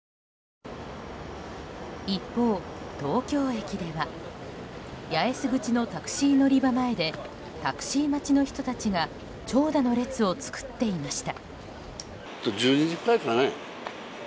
一方、東京駅では八重洲口のタクシー乗り場前でタクシー待ちの人たちが長蛇の列を作っていました。